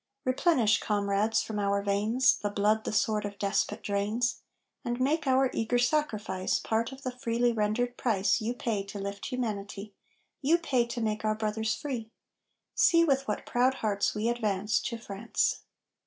Replenish, comrades, from our veins, The blood the sword of despot drains, And make our eager sacrifice Part of the freely rendered price You pay to lift humanity You pay to make our brothers free! See, with what proud hearts we advance To France!